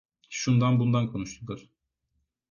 Şundan bundan konuştular.